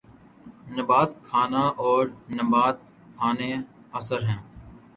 نبات خانہ اور نبات خانہ اثر ہیں